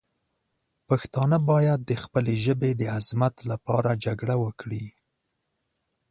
پښتانه باید د خپلې ژبې د عظمت لپاره جګړه وکړي.